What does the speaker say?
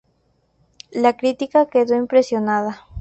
La crítica quedó impresionada.